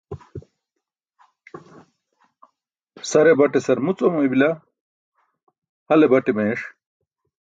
Sare baṭe sarmuc oomaybila, hale bate meeṣ.